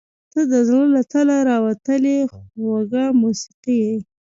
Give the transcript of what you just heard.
• ته د زړه له تله راوتلې خوږه موسیقي یې.